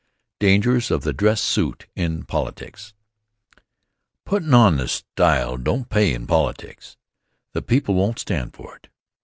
Dangers of the Dress Suit in Politics PUTIN' on style don't pay in politics. The people won't stand for it.